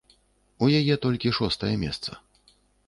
У яе толькі шостае месца.